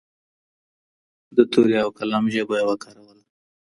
د تورې او قلم ژبه یې وکاروله